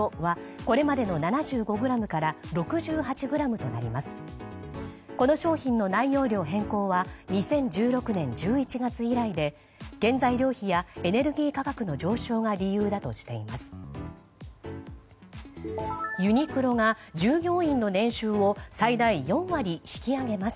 この商品の内容量変更は２０１６年１１月以来で原材料費やエネルギー価格の上昇が理由だとしています。